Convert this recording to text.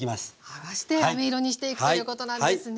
はがしてあめ色にしていくということなんですね。